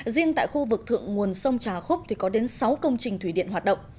riêng tại khu vực thượng nguồn sông trà khúc thì có đến sáu công trình thủy điện hoạt động